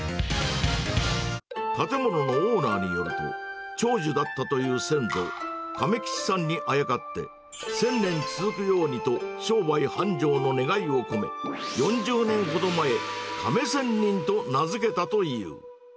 建物のオーナーによると、長寿だったという先祖、亀吉さんにあやかって、１０００年続くようにと、商売繁盛の願いを込め、４０年ほど前、亀仙人と名付けたという。